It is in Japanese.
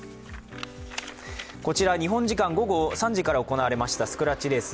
こちら日本時間午後３時から行われましたスクラッチレース。